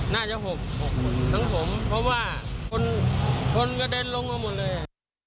น่าจะ๖๖ทั้งผมเพราะว่าคนกระเด็นลงมาหมดเลย